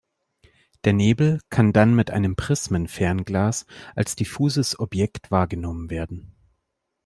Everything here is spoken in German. Der Nebel kann dann mit einem Prismenfernglas als diffuses Objekt wahrgenommen werden.